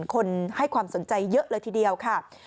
คนให้ความสนใจเยอะเลยทีเดียวค่ะ